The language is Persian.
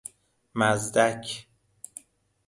مزدک